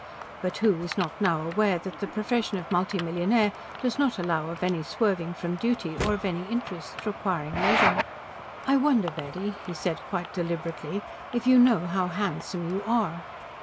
But who is not aware that the profession of multimillionaire does not allow of any swerving from duty or of any interests requiring leisure? "I wonder, Betty," he said quite deliberately, "if you know how handsome you are?"